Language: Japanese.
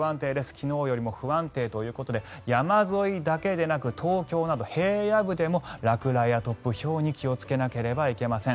昨日よりも不安定というとこで山沿いだけでなく東京など平野部でも落雷や突風、ひょうに気をつけなければいけません。